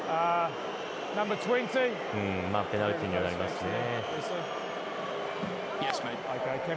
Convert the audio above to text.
ペナルティになりますかね。